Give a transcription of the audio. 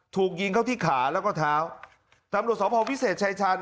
ถูกยิงเข้าที่ขาแล้วก็เท้าตำรวจสพวิเศษชายชาญ